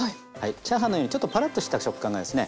チャーハンのようにちょっとパラッとした食感がですね